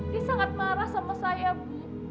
dia sangat marah sama saya bu